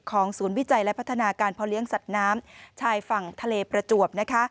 ศูนย์วิจัยและพัฒนาการพอเลี้ยงสัตว์น้ำชายฝั่งทะเลประจวบนะคะ